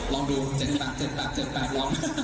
ลองดู๗กับ๘